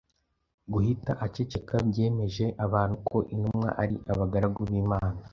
Guhita aceceka byemeje abantu ko intumwa ari abagaragu b’Imana